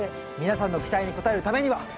皆さんの期待に応えるためには。